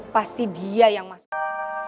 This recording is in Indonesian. pasti dia yang masuk